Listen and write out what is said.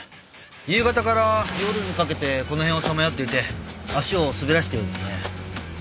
夕方から夜にかけてこの辺をさまよっていて足を滑らせたようですね。